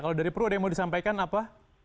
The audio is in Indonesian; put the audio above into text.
kalau dari perlu ada yang mau disampaikan apa